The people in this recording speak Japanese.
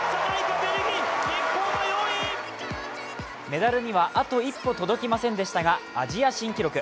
メダルにはあと一歩届きませんでしたが、アジア新記録。